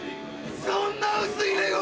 そんな薄いレゴ